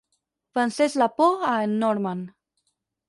Vencés la por a en Norman.